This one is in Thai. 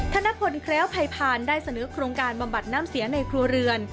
ธนพลแคล้วภัยผ่านได้เสนอโครงการบำบัดน้ำเสียในครัวเรือน